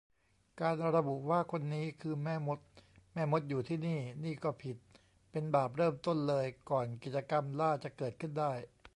การระบุว่าคนนี้คือแม่มด แม่มดอยู่ที่นี่ นี่ก็ผิด เป็นบาปเริ่มต้นเลย ก่อนกิจกรรมล่าจะเกิดขึ้นได้